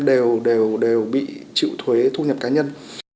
đều bị chịu thuế thu nhập cá nhân